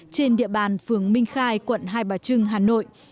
trên địa bàn phường minh khai quận hai bà trưng hà nội